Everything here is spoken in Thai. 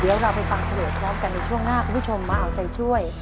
เดี๋ยวเราไปฟังเฉลยพร้อมกันในช่วงหน้าคุณผู้ชมมาเอาใจช่วย